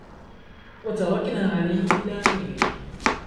وَتَرَكْنَا عَلَيْهِ فِي الْآخِرِينَ